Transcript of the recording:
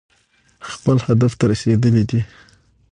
خپل هدف ته رسېدلي دي.